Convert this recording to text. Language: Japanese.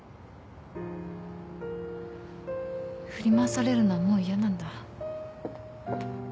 振り回されるのはもう嫌なんだ。